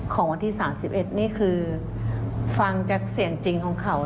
ของวันที่๓๑นี่คือฟังจากเสียงจริงของเขา